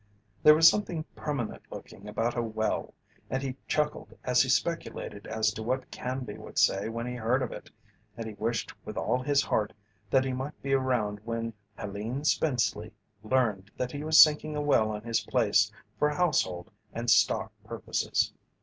There was something permanent looking about a well and he chuckled as he speculated as to what Canby would say when he heard of it, and he wished with all his heart that he might be around when Helene Spenceley learned that he was sinking a well on his place for household and stock purposes.